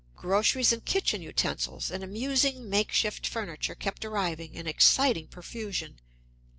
Groceries and kitchen utensils and amusing make shift furniture kept arriving in exciting profusion.